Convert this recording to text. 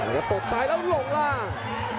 แล้วก็ตบไปแล้วล่มล่าง